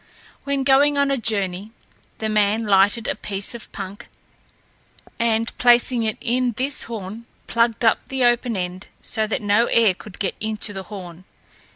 When going on a journey, the man lighted a piece of punk, and, placing it in this horn, plugged up the open end, so that no air could get into the horn.